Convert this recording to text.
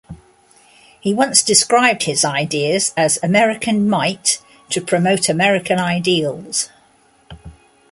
He once described his ideas as American might to promote American ideals.